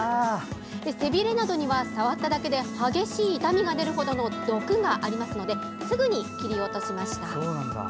背びれなどには、触っただけで激しい痛みが出る程の毒がありますのですぐに切り落としました。